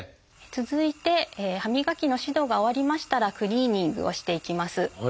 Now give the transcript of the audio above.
続いて歯磨きの指導が終わりましたらクリーニングをしていきます。